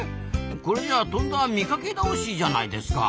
これじゃあとんだ見かけ倒しじゃないですか。